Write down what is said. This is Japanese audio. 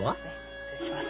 失礼します